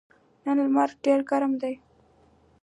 نن لمر ډېر ګرم ده.